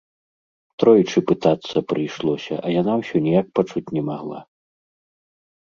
Тройчы пытацца прыйшлося, а яна ўсё ніяк пачуць не магла.